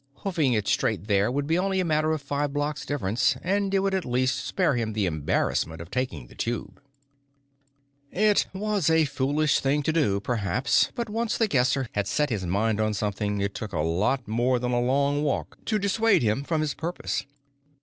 Hoofing it straight there would be only a matter of five blocks difference, and it would at least spare him the embarrassment of taking the tube. It was a foolish thing to do, perhaps, but once The Guesser had set his mind on something, it took a lot more than a long walk to dissuade him from his purpose.